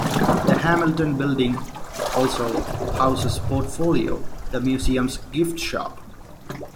The Hamilton building also houses Portfolio, the museum's gift shop.